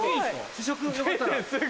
試食よかったら？